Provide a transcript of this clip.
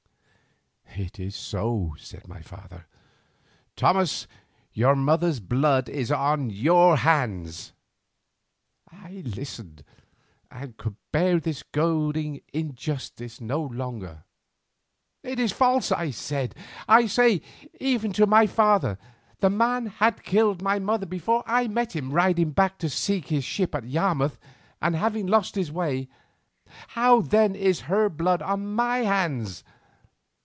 "It is so," said my father. "Thomas, your mother's blood is on your hands." I listened and could bear this goading injustice no longer. "It is false," I said, "I say it even to my father. The man had killed my mother before I met him riding back to seek his ship at Yarmouth and having lost his way; how then is her blood upon my hands?